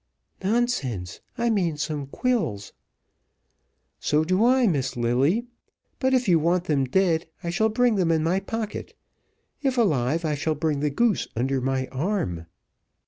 "Nonsense, I mean some quills." "So do I, Miss Lilly; but if you want them dead, I shall bring them in my pocket if alive, I shall bring the goose under my arm."